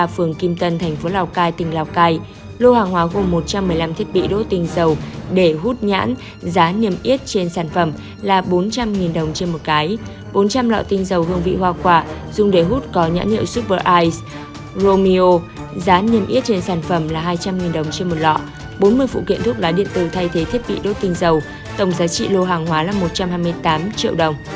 phường kim tân thành phố lào cai tỉnh lào cai lô hàng hóa gồm một trăm một mươi năm thiết bị đốt tinh dầu để hút nhãn giá niềm yết trên sản phẩm là bốn trăm linh đồng trên một cái bốn trăm linh lọ tinh dầu hương vị hoa quả dùng để hút có nhãn hiệu super ice romeo giá niềm yết trên sản phẩm là hai trăm linh đồng trên một lọ bốn mươi phụ kiện thuốc lá điện tử thay thế thiết bị đốt tinh dầu tổng giá trị lô hàng hóa là một trăm hai mươi tám triệu đồng